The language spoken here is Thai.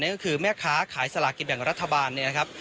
นั่นก็คือแมขาขายสลากิจแบ่งรัฐบาลนี้นะครับ